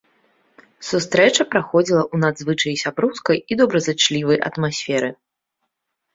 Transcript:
Сустрэча праходзіла ў надзвычай сяброўскай і добразычлівай атмасферы.